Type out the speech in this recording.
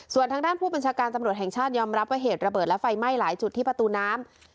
ส่วนทางด้านผู้บัญชาการตำรวจแห่งชาติยอมรับว่าเหตุระเบิดและไฟไหม้หลายจุดที่ประตูน้ำ